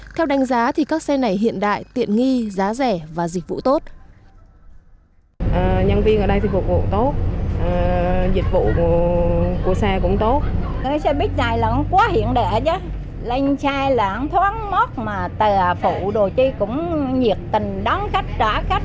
theo đánh giá các xe này hiện đại tiện nghi giá rẻ và dịch vụ tốt